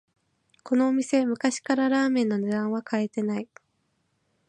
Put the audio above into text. このお店、昔からラーメンの値段は変えてない